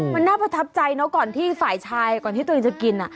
มันน่าประทับใจเนอะก่อนที่ฝ่ายชายก่อนที่ตัวเองจะกิน